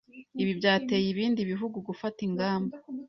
ibi byateye ibindi bihugu gufata ingamba